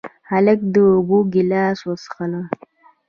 هلک د اوبو ګیلاس وڅښله.